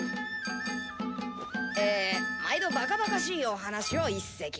え毎度バカバカしいおはなしを一席。